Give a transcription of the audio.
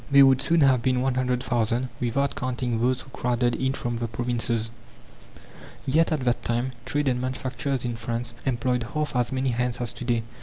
They would soon have been 100,000, without counting those who crowded in from the provinces. Yet at that time trade and manufacturers in France employed half as many hands as to day.